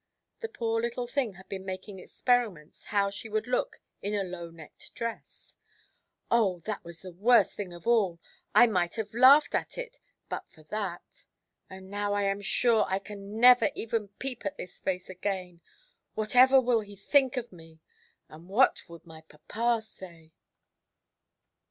—the poor little thing had been making experiments how she would look in a low–necked dress—"Oh! that was the worst thing of all. I might have laughed at it but for that. And now I am sure I can never even peep at his face again. Whatever will he think of me, and what would my papa say"?